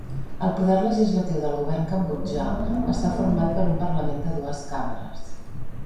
El poder legislatiu del govern cambodjà està format per un parlament de dues càmeres.